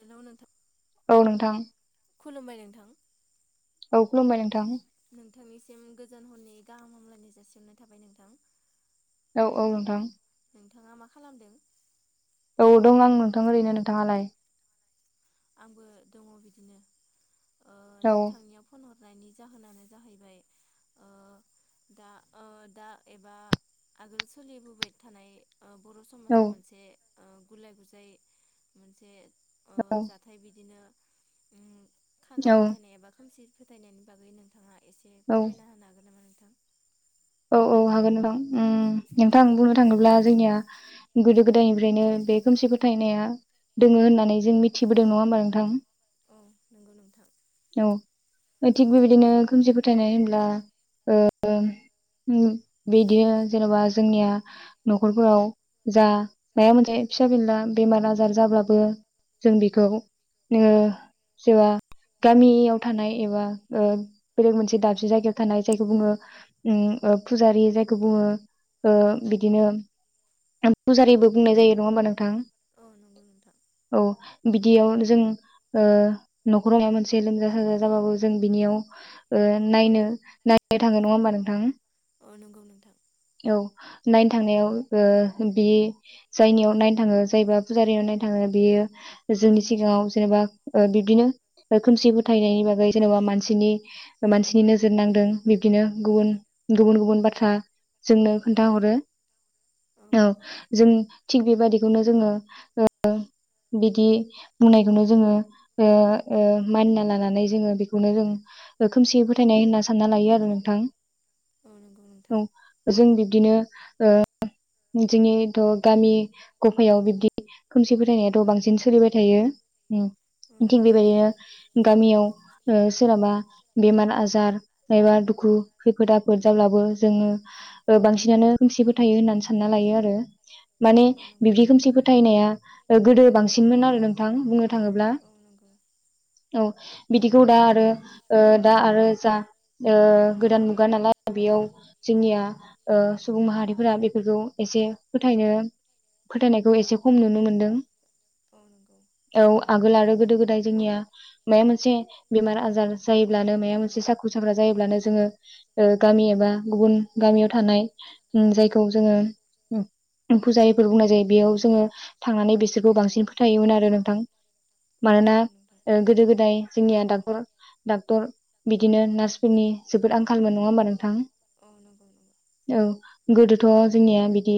Hello नोंथा औ नोंथां खुलुमबाय नोंथां। औ खुलुमबाय नोंथां। नोंथांनिसिम गोजोन हरनि गाहाम हामलाायनि जासिहनाय थाबाय नोंथां। औ औ नोंथां नोंथाङा मा खालामदों? औ दं आं नोंथां ओरैनो नोंथाङालाय? आंबो दङ बिदिनो ओ औ नोंथांनियाव फन हर नायनि जाहोनानो जाहैबाय ओ दा ओ दा एबा आगोल सोलिबोबाय थानाय ओ बर' औ समाजा मोनसे ओ गुलाय गुजाय मोनसे ओ औ जाथाय बिदिनो ओ खाना फोथायनाय एबा खोमसि फोथायनायनि बागै नोंथाङा एसे औ फोरमायना होनो हागोन नामा नोंथां? औ औ हागोन नोंथां उम औ नोंथां बुंनो थाङोब्ला जोंनिया गोदो गोदायनिफ्रायनो बे खोमसि फोथायनाया दोङो होननानै जों मिथिबोदों नङा होमबा औ नंगौ नोंथां औ थिग बेबायदिनो खोमसि फोथायनाय होनदों ओ ओ उम बिदिनो जेन'बा जोंनिया न'खरफोराव जा मायबा मोनसे फिसा फला बेमार आजार जाब्लाबो जों बेखौ नो सोरबा गामियाव थानाय एबा बेलेग मोनसे दाबसे जायगायाव थानाय जायखौ बुङो उम ओ फुजारि जायखौ बुङो ओ बिदिनो फुजारिबो बुंनाय जायो नङा होमबा नोंथां? औ नंगौ नोंथां औ बिदियाव जों ओ न'खराव माबा मोनसे लोमजा साजा जाबाबो जों बिनियाव ओ नायनो नायनो थाङो नङा होमबा नों थां अ नंगौ नोंथां नायनो थांनायाव ओ बियो जायनियाव नायनो थाङो जायबा फुजारियाव नायनो थाङो बेयो जोंनि सिगाङाव जेनेबा ओ बिब्दिनो खोमसि फोथायनायनि बागै जेनेबा मानसिनि मानसिनि नोजोर नांदों बिब्दिनो गुबुन गुबुन गुबुन बाथ्रा जोंनो खोन्थाहरो औ जों थिग बेबाददिखौनो जोङो ओ बिदि बुंनायखौनो जोङो ओ ओ मानिना लानानै जोङो बेखौनो जों खोमसिय फोथायनाय होनना सानना लायो आरो नोंथां औ औ नंगौ नोंथां जों बिब्दिनो ओ जोंनिथ' गामि गफायाव बिब्दि खोमसि फोथायनायाथ' बांसिन सोलिबाय थायो उम औ थिग नंगौ नोंथां बेबायदिनो गामियाव ओ सोरनाबा बेमार आजार एबा दुखु खैफोद आफोद जाब्लाबो जोङो ओ बांसिनानो खोमसि फोथायो होननानै सानना लायो आरो। माने औ नंगौ बिबदि नोंथां खोमसि फोथायनाया गोदो बांसिनमोन आरो नोंथां बुंनो थाङोब्ला औ नंगौ औ बिदिखौ दा आरो ओ दा आरो जा ओ गोदान मुगा नालाय बेयाव जोंनिया ओ सुबुं माहारिफोरा बेफोरखौ एसे फोथायनो फोथायनायखौ एसे खम नुनो मोनदों। औ नंगौ औ आ गोल आरो गोदो गोदाय जोंनिया माबा मोनसे बेमार आजार जायोब्लानो माबा मोनसे साखु साख्रा जायोब्लानो जोङो ओ गामि एबा गुबुन गामियाव थानाय जायखौ जोङो फुजारिफोर बुंनाय जायो बेयाव जोङो थांनानै बिसोरखौ बांसिन फोथायोमोन आरो नोंथां। औ मानोना नंगौ नोंथां ओ गोदो गोदाय जोंनिया डाक्टर डाक्टर बिदिनो नार्सफोरनि जो बोद आंखाल मोन नङा होमबा नोंथां? औ नंगौ नंगौ औ गोदोथ' जोंनिया बिदि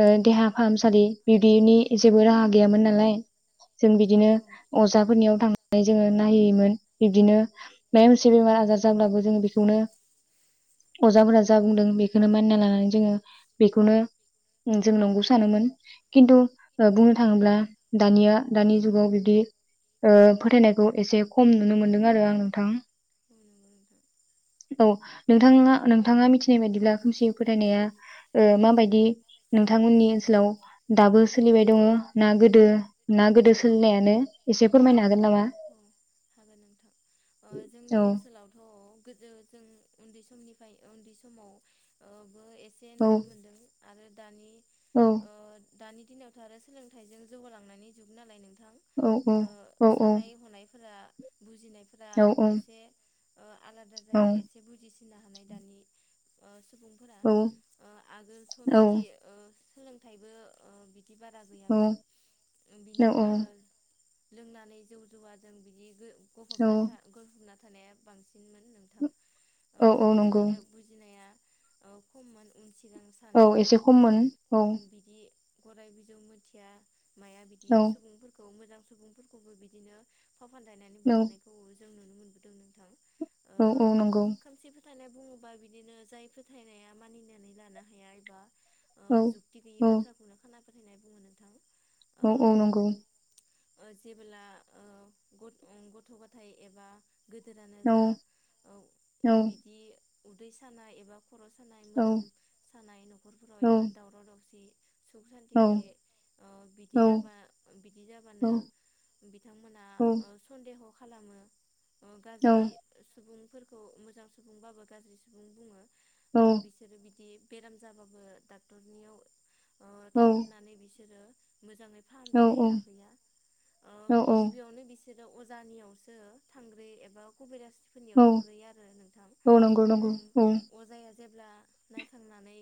ओ देहा फाहामसालि बिब्दिनि जेबो राहा गैयामोन नालाय जों बिदिनो औ औ अजाफोरनियाव थांनानै जोङो नायहैयोमोन बिब्दिनो माबा मोनसे बेमार आजार जाब्लाबो जों बेखौनो अजाफोरा जा बुंदों बेखौनो मानिना लानानै जोङो बेखौनो जों नंगौ सानोमोन खिन्थु बुंनो थाङोब्ला दानिया दानि जुगाव बिबदि ओ फोथायनायखौ एसे खम नुनो मोनदों आरो आं नोंथां। नंगौ [inaudible] औ नोंथाङा नोंथाङा मिथिनाय बायदिब्ला खोमसि फोथायनाया ओ माबायदि नोंथांमोननि ओनसोलाव दाबो सोलिबाय दङ ना गोदो ना गोदो सोलिनायानो एसे फोरमायना अ जोंनि औ ओनसोलावथ' गोदो जों उन्दै समनिफ्राय उन्दै समाव [unintelligible] एसे औ नुनो मोनदों आरो दानि औ ओ दानि दिनावथ' आरो सोलोंथाइजों जौगालांनायनि जुग नालाय नोंथां औ ओ औ औ साननाय हनायफोरा बुजिनाय फ्रा औ एसे अ आलादा जायो एसे बुजि नो हानाय दानि [unintelligible] सुबुंफोरा औ ओ आगोलथ' बिदि ओ सोलोंथाइबो अ बि बारा गैयामोन बिनि ओ लोंनानै जौ जौवा जों बिदि [unintelligible] औ गफबनाय था गफबना थानाया बांसिनमोन नोंथां। ओ औ औ नंगौ बिनिखायनो बुजिनाया ओ खममोन उन सिगां औ साना एसे ओ खममोन औ बिदि गराय बिजौ मिथिया माया बिदि औ सुबुंफोरखौ मोजां सुबुंफोरखौबो बि दिनो फाव फानदायनानै औ बुथारनायखौ जों जों नुनो मोनबोदों नोंथां। औ औ नंगौ थायनाय बुङोबा बिदिनो जाय फोथायनाया मानिनानै लानो हाया एबा ओ औ जुक्ति गैयि औ बाथ्राखौनो खाना फोथायनाय बुङो नोंथां। औ औ ओ नंगौ जेबोला ओ गथ-ओ-गथ' गथाय एबा गोदोरानो औ जा औ बिदि उदै सानाया एबा खर' सानाय औ मोदोम सानाय न'खरफोराव एबा दावराव दावसि सुख सान्ति नंगौ गैयै बिदि नंगौ जाबा बिदि जाबानो बि औ ह खालामो। ओ गाज्रि सुबुं फोरखौ मोजां सुबुंबाबो गाज्रि सुबुं बुङो। ओ औ बिसोरो बिदि बेराम जाबाबो डाक्टरनियाव ओ औ थांग्रोनानै बिसोरो मोजाङै फाहामथाय लाहैया ओ बिसोरो अजानियावसो थांग्रोयो एबा कबिरास फोरनियाव थांग्रोयो आरो नोंथां औ ओ अजाया जेब्ला नायखांनानै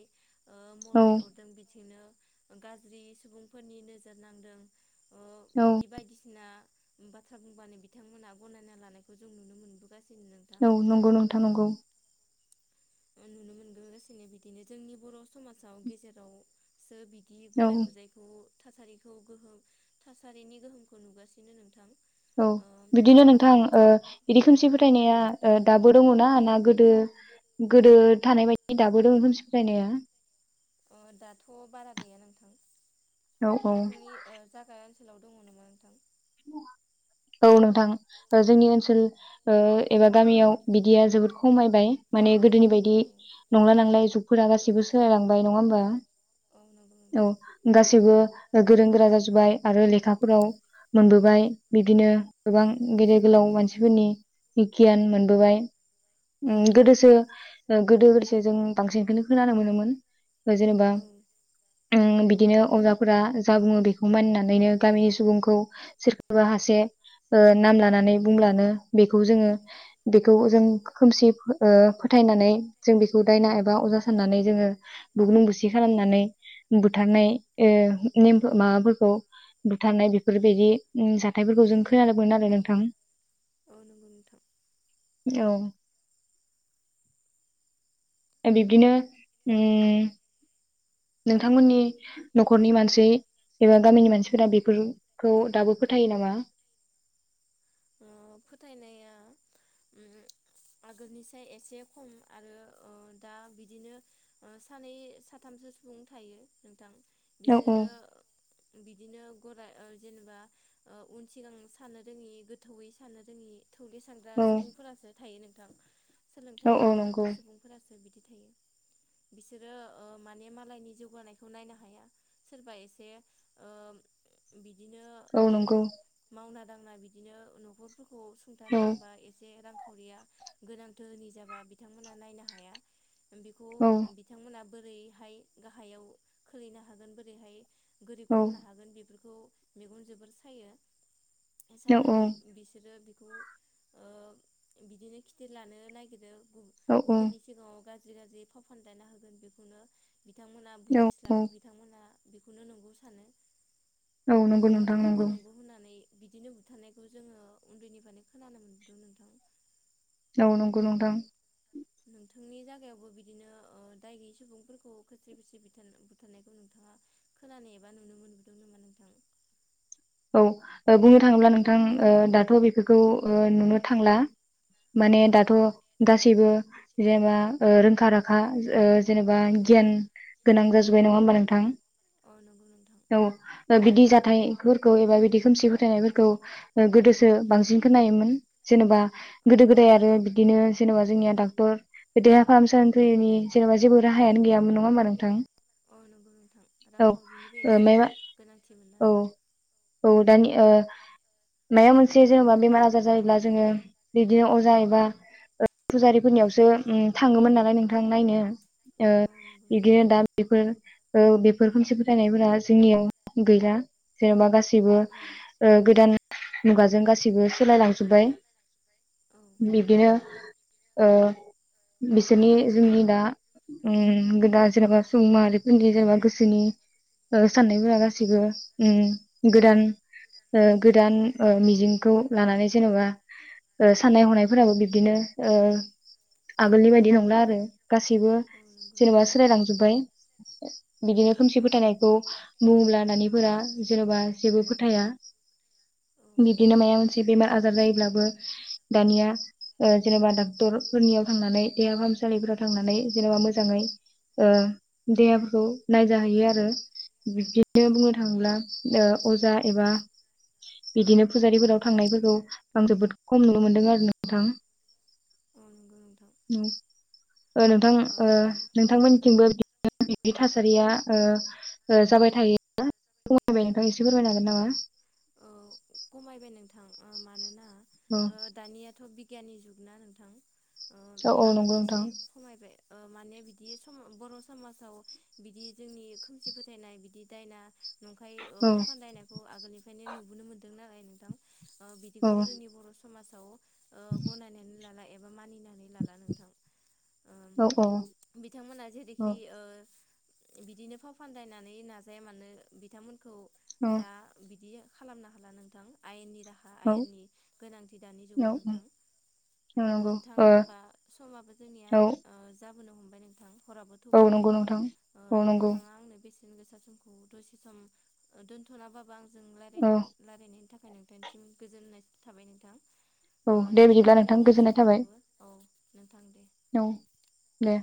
ओ मदाइ अरदों बिदिनो ओ गाज्रि सुबुंफोरनि नोजोर नांदों। ओ बिदि बायदिस सिना बाथ्रा बुंबानो बिथांमोना गनायना लानायखौ जों नुनो मोनबो गासिनो नोंथां। नंगौ ओ नोंथां नंगौ ओ नुनो मोनगो गासिनो बिदिनो जोंनि बर' समाजाव गेजेरावसो बि दि औ गुलाय गुजायखौ थासारिखौ गोहोम थासारिनि गोहोम खौ नुगासिनो नोंथां। औ बिदिनो नोंथां ओ बिदि औ खोमसि फोथायनाया ओ दाबो दङ' ना ना गोदो गोदो थानाय बायदि दाबो दं खोमसि फोथायनाया? ओ दाथ' बारा गैया नोंथां। औ औ नोंथांनि ओ जागा ओन सोलाव दङ' नामा नोंथां? औ नोंथां ओ जोंनि ओनसोल ओ एबा गामियाव बिदिया जोबोद खमायबाय। माने गोदोनि बायदि औ नंला नांलाय जुगफोरा गासिबो सोलायलांबाय। नङा होमबा? औ नंगौ नोंथां औ गासैबो ओ गोरों गोरा जाजुबबाय। आरो लेखाफोराव मोनबोबाय बिदिनो गोबां औ गेदेर गोलाव मानसिफोरनि गियान मोनबोबाय। औ उम गोदोसो ओ गोदोसो [unintelligible] जों बांसिनखोनो खोनानो मोनोमोन। जेनेबा औ उम बि दिनो अजाफोरा जा बुङो बेखौ मानिनानैनो गामिनि सुबुंखौ सोरखोबा हासे ओ नाम लानानै बुंब्लानो बेखौ जोङो बेखौ जों खोमसि ओ फोथायनानै जों बेखौ दायना एबा अजा साननानै जोङो बुग्लुं बुसि खालामनानै बुथारनाय ओ नेम माबाफोरखौ बुथारनाय बे फोर बिदि उम जाथायफोरखौ जों खोनादोंमोन आरो नोंथां। अ नंगौ नोंथां। औ। ए बिब्दिनो उम नोंथांमोननि न'खरनि मानसि एबा गामिनि मानसिफोरा बेफोरखौ दाबो फोथायो नामा? ओ फोथायनाया उम आगोलनिसाय एसे खम आरो ओ दा बिदिनो ओ सानै साथामसो सुबुं थायो नोंथां। औ औ बिसोरो बिदिनो गराय ओ जेनेबा ओ उन सिगां साननो रोङि गो थौवै सानो रोंङि थौले सानग्रा औ सुबुंफोरासो थायो नों थां। औ सोलोंथाइ औ गैयै नंगौ सुबुंफोरासो बिदि थायो। बिसोरो ओ माने मालायनि जौगानायखौ नायनो हाया। सोरबा एसे ओ बिदिनो औ उम नंगौ। मावना दांना बिदिनो न'खर फोरखौ औ सुंथानो हाबा एसे रां खावरिया गोनां दोहोनि जाबा बिथांमोना नायनो हाया बेखौ औ बिथांमोना बोरैहाय गाहायाव खोलैनो हागोन बोरैहाय गोरिब औ खालामनो हागोन बेफोर बेखौ मेगन जोबोर सायो औ सानाभिव बिसोरो बेखौ ओ बिदिनो खिथिर लानो नागिरो औ गुबुननि सिगाङाव गा जि गाजि फाव फानदायना होगोन बेखौनो बिथांमोना औ बुजिस्लाबो बिथांमोना बेखौनो नंगौ सानो औ नंगौ नोंथां नंथारैखौबो नंगौ नोंगौ होननानै बिदिनो बुथारनाय खौ जोङो उन्दैनिफ्रायनो खोनानो मोनबोदों नोंथां। औ नंगौ नंथां। नोंथांनि जागायावबो बिदिनो ओ दाय गैयै सुबुंफोरखौ खोस्रि बोस्रि बुथार-बुथारनायखौ नोंथाङा खोनानो एबा नुनो मोनबोदों नामा नोंथां? औ ओ बुंनो थाङोब्ला नोंथां ओ दाथ' बेफोरखौ ओ नुनो थांला माने औ दाथ' गासैबो जेनेबा ओ रोंखा राखा ओ जेनेबा गियान गोनां जाजोबबाय नङा होमबा नोंथां। औ नंगौ नोंथां औ बिदि जाथायगोर गौ एबा बिदि खोमसि फोथायनायफोरखौ ओ गोदोसो बांसिन खोनायोमोन जेनेबा औ गोदो गोदाय आरो बिदिनो जेनेबा जोंनिया डाक्टर देहा फाहामसालिनि फैयैनि जेनेबा जेबो राहायानो गैयामोन नङा होमबा नोंथां। अ नंगौ नोंथां औ रांखावरिनिबो ओ एसे मायबा गोनांथि मोनना औ औ दानि ओ माया मोनसे जेनेबा बेमार आजार जायोब्ला जोङो बिदिनो अजा एबा ओ फुजारिफोरनियावसो उम थाङोमोन नालाय नोंथां नायनो ओ औ नंगौ नोंथां बिदिनो दा बेफोर ओ बेफोर खोमसि फोथायनायफोरा जोंनियाव गैला। जेनेबा गासैबो औ ओ गोदान मुगाजों गासैबो सोलायलांजोब्बाय। औ बिब्दिनो ओ बिसोरनि जोंनि दा उम गोदा जेनेबा सुबुं माहारिफोरनि जेनेबा गोसोनि ओ साननायफोरा गासैबो उम गोदान ओ गोदान मिजिंखौ लानानै जेनेबा ओ साननाय हनायफोराबो बिब्दिनो ओ आगोलनि बायदि नंला आरो। गासैबो नंगौ जेनेबा नोंथां सोलायलांजोब्बाय औ बिदिनो खोमसि फोथायनाय औ मुं लानानैफोरा जेन'बा जेबो फोथाया। औ बिब्दिनो मायाबा मोनसे बेमार आजार जायोब्लाबो दानिया ओ जेन'बा डाक्टरफोरनियाव थांनानै देहा फाहामसालिफोराव थांनानै जेनेबा मोजाङै ओ देहाफोरखौ नायजाहैयो आरो। बिब्दिनो बुंनो थाङोब्ला ओ अजा एबा बिदिनो फुजारिफोराव थांनायफोरखौ आं जोबोद खम नुनो मोनदों आरो नोंथां। औ नंगौ नोंथां ओ नोंथां ओ नोंथांमोननिथिंबो बि-बिब्दि थासारिया ओ ओ जाबाय थायोना? खमायबाय नोंथां एसे फोरमाय हागोन नामा? औ खमायबाय नोंथां। ओ मानोना औ ओ दानियाथ' बि गियाननि जुगना नोंथां ओ औ औ नंगौ नोंथां। आगोलनिसाय खमायबाय ओ माने बिदि सम बर' समाजाव बिदि जोंनि खोमसि फोथायनाय बिदि दायना नंखाय ओ औ फाव फान्दायनायखौ आगोलनि ओंखायनो नुबोन मोनदों नालाय नोंथां औ बिदिखौ जोंनि बर' समाज ओ गनायनानै लालाय एबा मानिनाय नानै लाला नोंथां ओ औ बिथांमोना जेरैखि ओ बिदिनो फाव फानदायनानै नाजाया मानो बिथांमोनखौ औ दा बि दि खालामनो हाला नोंथां आयेननि दाहा औ आयेननि गोनांथि दानि जुगाव औ नोंथां नंगौ नोंथां ओ होमबा समाबो जोंनिया औ ओ जा बोनो हमबाय नोंथां हराबो औ थौबोबाय नंगौ नोंथां ओ औ नंगौ नोंथाङा आंनो बेसे [unintelligible] जों रायलायनो औ रायलायनायनि था खाय नोंथांनिसिम गोजोननाय थाबाय नोंथां औ ओ दे बिदिब्ला नोंथांजों नोंथां इयुन गोजोननाय थाबाय समफोरावबो औ नोंथां दे औ दे